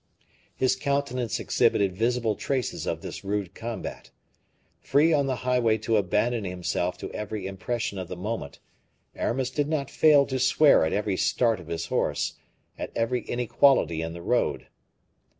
His countenance exhibited visible traces of this rude combat. Free on the highway to abandon himself to every impression of the moment, Aramis did not fail to swear at every start of his horse, at every inequality in the road.